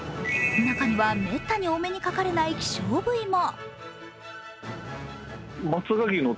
中には、めったにお目にかかれない希少部位も。